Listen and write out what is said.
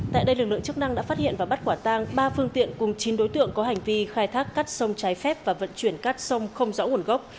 tại đây lực lượng chức năng đã phát hiện và bắt quả tang ba phương tiện cùng chín đối tượng có hành vi khai thác cát sông trái phép và vận chuyển cát sông không rõ nguồn gốc